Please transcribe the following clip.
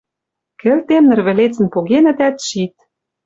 Кӹлтем ныр вӹлецӹн погенӹтӓт, шит.